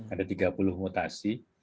ada tiga puluh mutasi